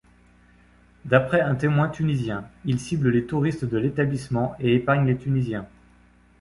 D'après un témoin tunisien, il cible les touristes de l'établissement et épargne les Tunisiens.